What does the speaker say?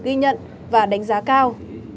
ghi nhận và đánh giá cao